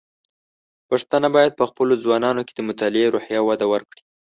پښتانه بايد په خپلو ځوانانو کې د مطالعې روحيه وده ورکړي.